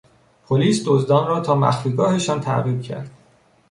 پلیس دزدان را تا مخفیگاهشان تعقیب کرد.